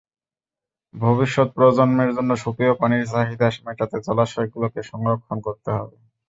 ভবিষ্যৎ প্রজন্মের জন্য সুপেয় পানির চাহিদা মেটাতে জলাশয়গুলোকে সংরক্ষণ করতে হবে।